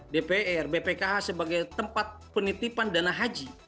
dpr bpkh sebagai tempat penitipan dana haji